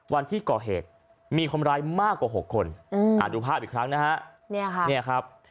วันที่ก่อเหตุมีคนร้ายมากกว่า๖คนดูภาพอีกครั้งนะฮะเนี่ยครับ